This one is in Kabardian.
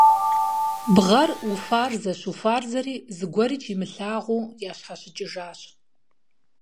Бгъэр уфарзэщ-уфарзэри, зыгуэрикӀ имылъагъуу ящхьэщыкӀыжащ.